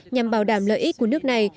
nhằm bảo đảm lợi ích của nước này